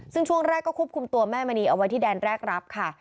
ซึ่งช่วงแรกก็ควบคุมตัวแม่มณีเอาไว้ที่แดนแรกรับค่ะ